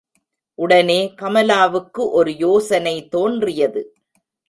உடனே கமலாவுக்கு ஒரு யோசனை தோன்றியது.